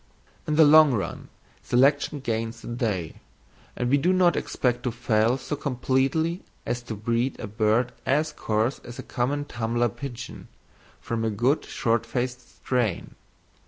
In the long run selection gains the day, and we do not expect to fail so completely as to breed a bird as coarse as a common tumbler pigeon from a good short faced strain.